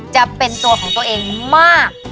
จะเป็นตัวของตัวเองมาก